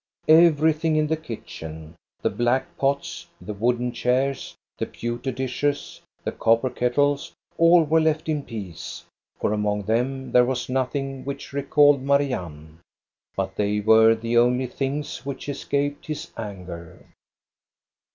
Everything in the kitchen, — the black pots, the wooden chairs, the pew ter dishes, the copper kettles, all were left in peace, for among them there was nothing which recalled Marianne; but they were the only things which escaped his anger.